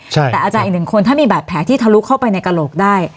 แต่อาจารย์อีกหนึ่งคนถ้ามีบาดแผลที่ทะลุเข้าไปในกระโหลกได้